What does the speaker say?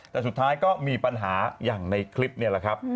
แต่สุดท้ายก็มีปัญหาอย่างในคลิปนี่แหละครับ